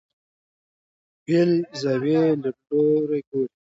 بېل زاویې لیدلوري ګوري.